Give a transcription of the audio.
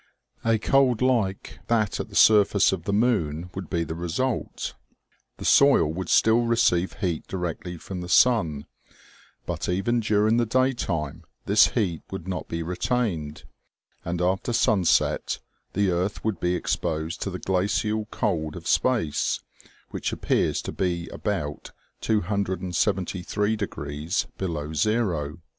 A cold like that at the surface of the moon would be the result. The soil would still receive heat directly from the sun, but even during the daytime this heat would not be retained, and after sunset the earth would be exposed to the glacial cold of space, which appears to be about 273 below zero.